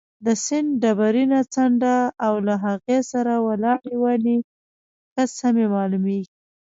د سیند ډبرینه څنډه او له هغې سره ولاړې ونې ښه سمې معلومېدې.